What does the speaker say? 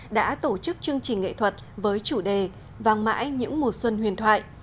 đã tổ chức chương trình nghệ thuật với chủ đề vang mãi những mùa xuân huyền thoại